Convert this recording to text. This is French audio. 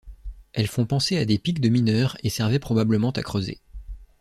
Elles font penser à des pics de mineurs et servaient probablement à creuser.